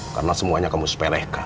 karena semuanya kamu seperehkan